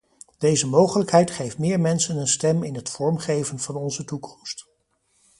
Deze mogelijkheid geeft meer mensen een stem in het vormgeven van onze toekomst.